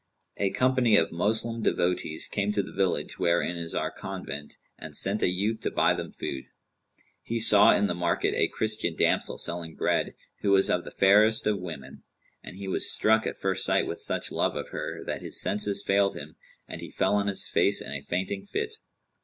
A company of Moslem devotees came to the village wherein is our convent, and sent a youth to buy them food. He saw, in the market, a Christian damsel selling bread, who was of the fairest of women; and he was struck at first sight with such love of her, that his senses failed him and he fell on his face in a fainting fit.